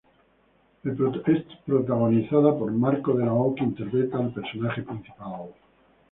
Es protagonizada por Marco de la O, que interpreta al personaje principal.